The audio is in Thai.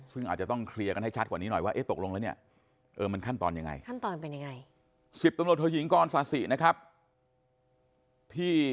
ซึ่งอาจจะต้องเคลียร์กันให้ชัดกว่านี้หน่อยว่าตกลงแล้วเนี่ยเออมันขั้นตอนยังไง